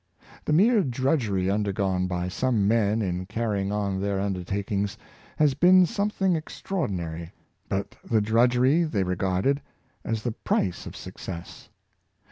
The mere drudgery undergone by some men in car rying on their undertakings has been something extra ordinary, but the drudgery they regarded as the price of success.